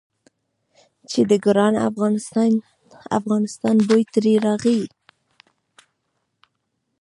چې د ګران افغانستان بوی ترې راغی.